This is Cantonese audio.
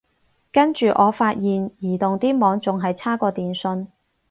跟住我發現移動啲網仲係差過電信